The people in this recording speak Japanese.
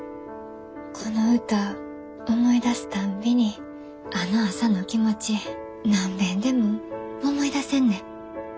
この歌思い出すたんびにあの朝の気持ち何べんでも思い出せんねん。